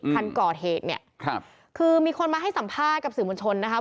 คันก่อเหตุเนี่ยครับคือมีคนมาให้สัมภาษณ์กับสื่อมวลชนนะคะ